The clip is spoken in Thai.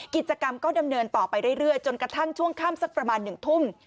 กิจกรรมก็ดำเนินต่อไปเรื่อยจนกระทั่งช่วงค่ำสักประมาณ๑ทุ่ม